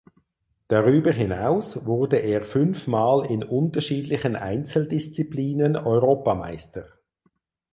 Darüber hinaus wurde er fünfmal in unterschiedlichen Einzeldisziplinen Europameister.